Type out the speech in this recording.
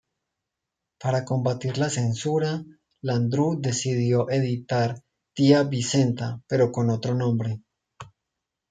Para combatir la censura, Landrú decidió editar Tía Vicenta pero con otro nombre.